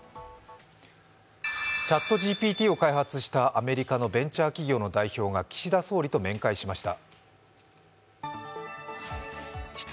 ＣｈａｔＧＰＴを開発したアメリカのベンチャー企業の代表が岸田総理と面会しました。